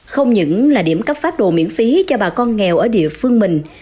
không những là điểm cấp phát đồ miễn phí cho bà con nghèo ở địa phương mình